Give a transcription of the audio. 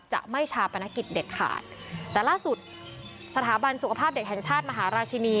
จะไม่ชาปนกิจเด็ดขาดแต่ล่าสุดสถาบันสุขภาพเด็กแห่งชาติมหาราชินี